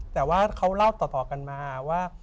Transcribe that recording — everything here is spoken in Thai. แต่ว่าเขาเล่าต่อกันมาว่า